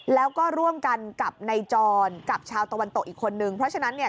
แล้วก็ร่วมกันกับนายจรกับชาวตะวันตกอีกคนนึงเพราะฉะนั้นเนี่ย